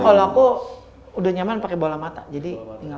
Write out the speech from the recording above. kalau aku udah nyaman pakai bola mata jadi tinggal